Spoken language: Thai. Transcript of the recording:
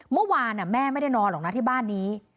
เมื่อวานแม่ไม่ได้นอนหรอกนะที่บ้านนี้